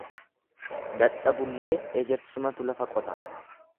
Dadhabullee ejersumatu lafa qota.